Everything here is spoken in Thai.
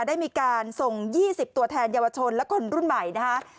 ได้มีการส่ง๒๐ตัวแทนเยาวชนและคนรุ่นใหม่นะคะ